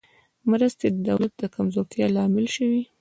مرستې د دولت د کمزورتیا لامل شوې.